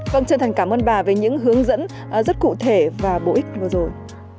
vâng chân thành cảm ơn bà về những hướng dẫn rất cụ thể và bổ ích vừa rồi